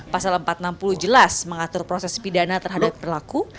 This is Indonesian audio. pasal empat ratus enam puluh jelas mengatur proses pidana terhadap berlaku